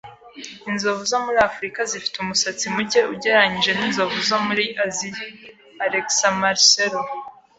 Inzovu zo muri Afrika zifite umusatsi muke ugereranije ninzovu zo muri Aziya. (alexmarcelo)